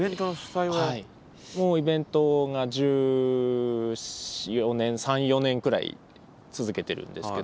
もうイベントが１４年１３１４年くらい続けてるんですけども。